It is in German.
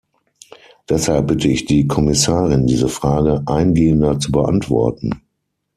Deshalb bitte ich die Kommissarin, diese Frage eingehender zu beantworten.